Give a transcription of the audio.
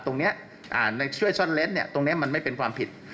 ตรงนี้ในช่วยซ่อนเล้นตรงนี้มันไม่เป็นความผิด